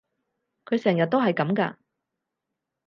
佢成日都係噉㗎？